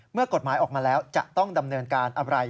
เมื่อกฎหมายออกมาแล้วจะต้องดำเนินการอะไร